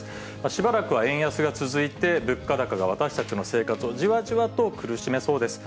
しばらくは円安が続いて、物価高が私たちの生活をじわじわと苦しめそうです。